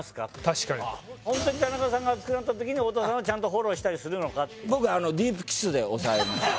確かにホントに田中さんが熱くなった時に太田さんはちゃんとフォローしたりするのかって僕あのディープキスで抑えます